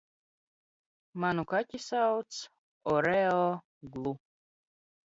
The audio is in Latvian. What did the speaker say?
Manu ka?i sauc Oreo - glu